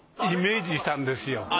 イメージしたんですよ。